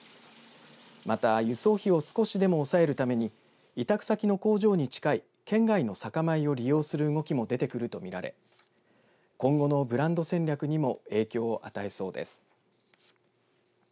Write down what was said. また輸送費を少しでも抑えるために委託先の工場に近い県外の酒米を利用する動きも出てくると見られ今後のブランド戦略にも影響を与えそうです。